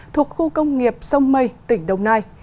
thuộc khu công nghiệp sông mây tỉnh đồng nai